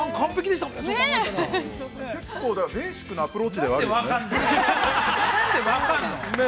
◆結構、だから、ベーシックなアプローチではあるよね。